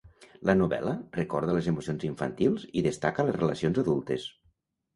La novel·la recorda les emocions infantils i destaca les relacions adultes.